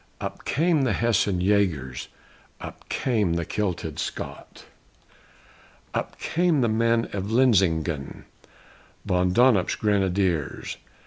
Up came the Hessian Yagers! Up came the kilted Scot! Up came the men of Linsingen, Von Donop's Grenadiers!